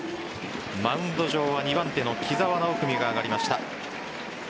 マウンド上は２番手の木澤尚文が上がりました。